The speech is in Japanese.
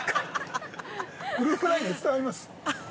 グループＬＩＮＥで伝わります。